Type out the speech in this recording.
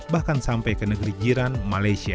bahkan sampai ke negeri jiran malaysia